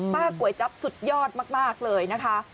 ก๋วยจับสุดยอดมากเลยนะคะ